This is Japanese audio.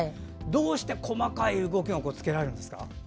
どうして、細かい動きをつけられるんですか？